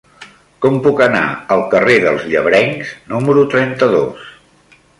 Com puc anar al carrer dels Llebrencs número trenta-dos?